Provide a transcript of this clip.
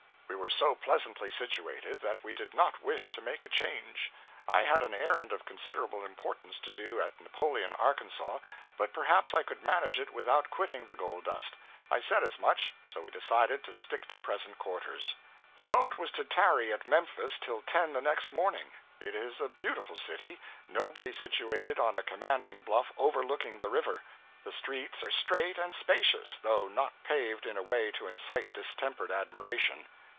We were so pleasantly situated, that we did not wish to make a change. I had an errand of considerable importance to do at Napoleon, Arkansas, but perhaps I could manage it without quitting the 'Gold Dust.' I said as much; so we decided to stick to present quarters. The boat was to tarry at Memphis till ten the next morning. It is a beautiful city, nobly situated on a commanding bluff overlooking the river. The streets are straight and spacious, though not paved in a way to incite distempered admiration.